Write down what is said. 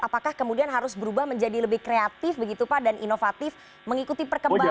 apakah kemudian harus berubah menjadi lebih kreatif begitu pak dan inovatif mengikuti perkembangan